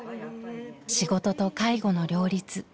仕事と介護の両立。